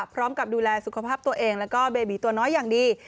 พร้อมกับดูแลสุขภาพตัวเองแล้วก็เบบีตัวน้อยอย่างดี